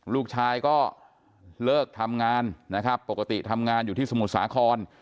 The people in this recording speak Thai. ลูกชายก็เลิกทำงานนะครับปกติทำงานอยู่ที่สมุทรสาคร